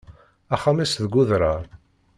Axxam-is deg udrar.